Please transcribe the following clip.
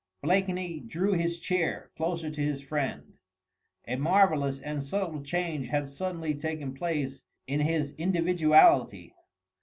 Blakeney drew his chair closer to his friend: a marvellous and subtle change had suddenly taken place in his individuality.